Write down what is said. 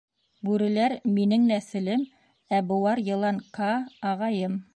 Бүреләр — минең нәҫелем, ә быуар йылан Каа — ағайым.